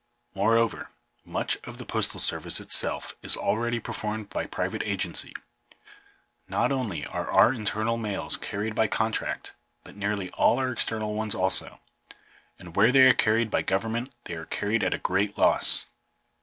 Moreover, much of the postal ser vice itself is already performed by private agency. Not only are our internal mails carried by contract, but nearly all our external ones also ; and where they are carried by government they are carried at a great loss.